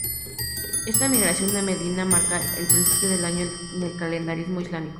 Esta migración a Medina marca el principio del año en el calendario islámico.